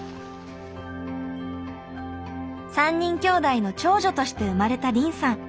３人きょうだいの長女として生まれた凜さん。